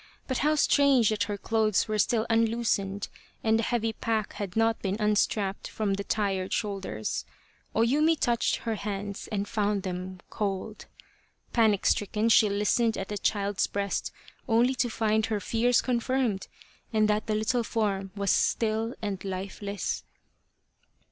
But how strange that her clothes were still unloosened and the heavy pack had not been unstrapped from the tired shoulders. O Yumi touched her hands and found them cold. Panic stricken, she listened at the child's breast only to find her fears confirmed and that the little form was still and lifeless.